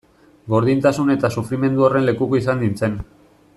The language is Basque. Gordintasun eta sufrimendu horren lekuko izan nintzen.